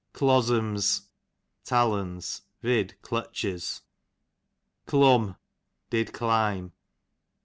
Clozzoms, tallons, vid. clutches. Clum, did climb.